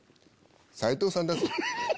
斎藤さんだぞ。